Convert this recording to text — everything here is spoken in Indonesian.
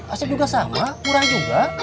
aset juga sama murah juga